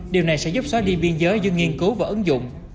điều này sẽ giúp xóa đi biên giới giữa nghiên cứu và ứng dụng